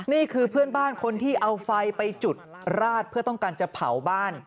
นี่คือเพื่อนบ้านคนที่เอาไฟไปจุดราดเพื่อต้องการจะเผาบ้าน